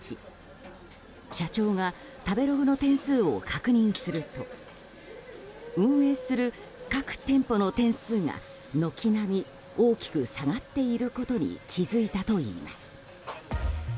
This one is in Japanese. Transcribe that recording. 社長が食べログの点数を確認すると運営する各店舗の点数が軒並み大きく下がっていることに気づいたといいます。